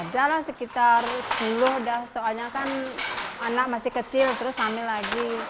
ada lah sekitar sepuluh dah soalnya kan anak masih kecil terus samil lagi